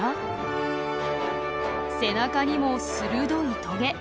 背中にも鋭いトゲ。